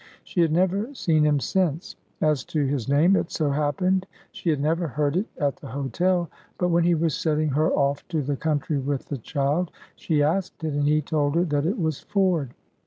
She had never seen him since. As to his name, it so happened she had never heard it at the hotel; but when he was setting her off to the country with the child, she asked it, and he told her that it was Ford.